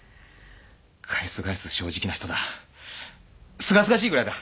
返す返す正直な人だ。すがすがしいぐらいだ。